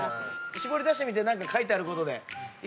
絞り出してみて何か書いてあることで。